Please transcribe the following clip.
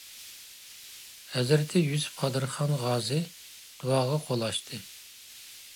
ھەزرىتى يۈسۈپ قادىرخان غازى دۇئاغا قول ئاچتى.